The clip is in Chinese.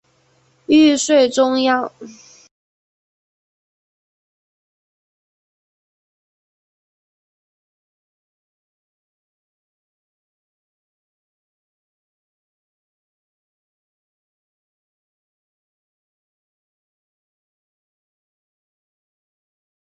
它以俄亥俄州托莱多命名。